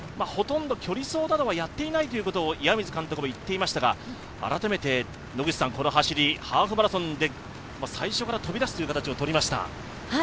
ほとんど距離層などはやっていないということを監督は言っていましたが改めて、この走りハーフマラソンで最初から飛び出すという形をとりました。